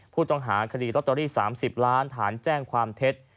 ผู้ต้องหาคดีลอตเตอรี่๓๐ล้านฐานแจ้งความเท็จ